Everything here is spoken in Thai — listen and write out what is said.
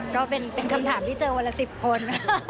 ก็เป็นคำถามที่เจอวันละ๑๐คน